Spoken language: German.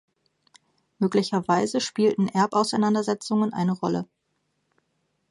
Möglicherweise spielten Erbauseinandersetzungen eine Rolle.